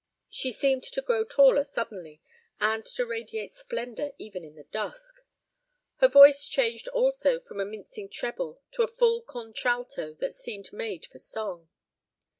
She seemed to grow taller suddenly, and to radiate splendor even in the dusk. Her voice changed also from a mincing treble to a full contralto that seemed made for song.